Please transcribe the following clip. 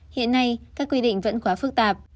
hiện nay các quy định vẫn quá phức tạp